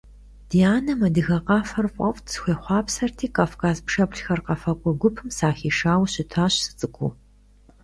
Ди анэм адыгэ къафэр фӀэфӀт, схуехъуапсэрти, «Кавказ пшэплъхэр» къэфакӀуэ гупым сахишауэ щытащ сыцӀыкӀуу.